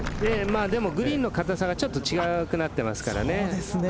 グリーンの硬さがちょっと違うくなってますからね。